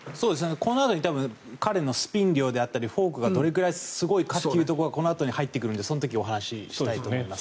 この辺り彼のスピン量であったりフォークがどれくらいすごいかというところがこのあとに入ってくるのでその時お話ししたいと思います。